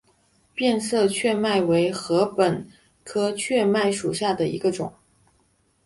变色雀麦为禾本科雀麦属下的一个种。